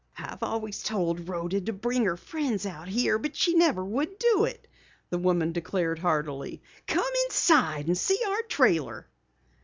"I've always told Rhoda to bring her friends out here, but she never would do it," the woman declared heartily. "Come inside and see our trailer."